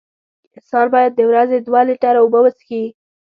انسان باید د ورځې دوه لېټره اوبه وڅیښي.